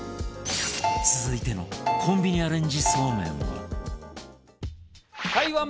続いてのコンビニアレンジそうめんは